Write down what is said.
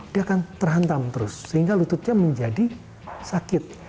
dia akan terhantam terus sehingga lututnya menjadi sakit